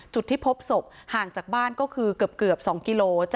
จุดที่พบศพห่างจากบ้านก็คือเกือบ๒กิโล